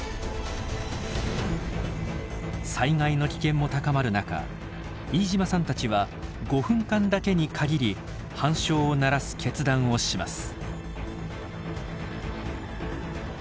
災害の危険も高まる中飯島さんたちは５分間だけに限り半鐘を鳴らす決断をします。